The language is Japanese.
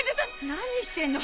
何してんの！